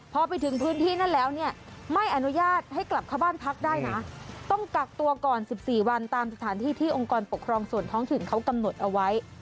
พอไปถึงพื้นที่นั้นแล้วเนี่ยไม่อนุญาตให้กลับเข้าบ้านพักได้นะต้องกักตัวก่อน๑๔วันตามสถานที่ที่องค์กรปกครองส่วนท้องถิ่นเขากำหนดเอาไว้